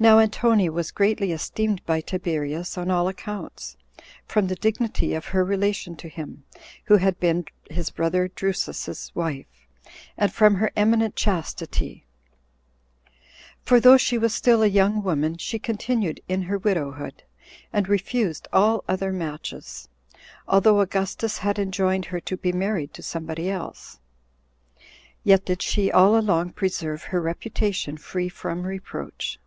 Now Antonia was greatly esteemed by Tiberius on all accounts, from the dignity of her relation to him, who had been his brother Drusus's wife, and from her eminent chastity; 21 for though she was still a young woman, she continued in her widowhood, and refused all other matches, although Augustus had enjoined her to be married to somebody else; yet did she all along preserve her reputation free from reproach.